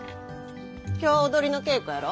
今日踊りの稽古やろ。